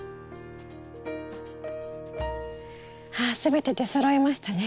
ああ全て出そろいましたね。